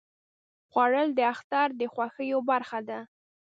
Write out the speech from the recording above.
خوړل د اختر د خوښیو برخه ده